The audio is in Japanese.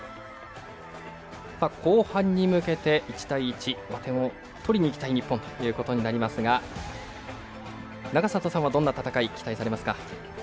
後半に向けて１対１点を取りにいきたい日本となりますが永里さんはどんな戦いを期待されますか？